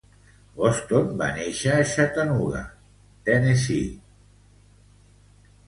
Boston va néixer a Chattanooga, Tennessee.